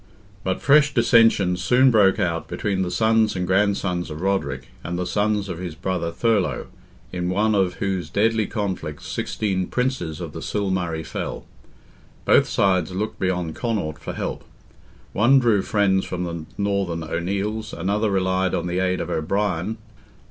But fresh dissensions soon broke out between the sons and grandsons of Roderick, and the sons of his brother Thurlogh, in one of whose deadly conflicts sixteen Princes of the Sil Murray fell. Both sides looked beyond Connaught for help; one drew friends from the northern O'Neills, another relied on the aid of O'Brien.